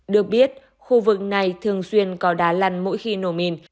được biết khu vực này thường xuyên có đá lăn mỗi khi nổ mìn